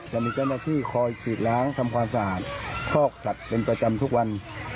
จะมีเจ้าหน้าที่คอยฉีดล้างทำความสะอาดคอกสัตว์เป็นประจำทุกวัน